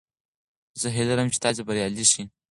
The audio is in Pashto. زه هیله لرم چې تاسې به بریالي شئ.